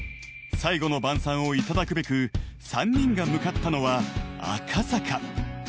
［最後の晩さんをいただくべく３人が向かったのは赤坂］